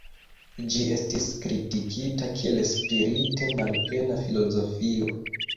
Ĝi estis kritikita kiel spirite malplena filozofio.